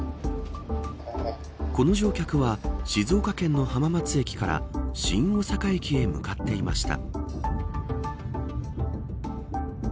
この乗客は、静岡県の浜松駅から新大阪駅へ向かっていました。